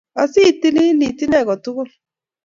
Asi atililit inne ko tugul